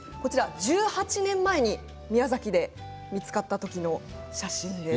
１８年前に宮崎で見つかったときの写真です。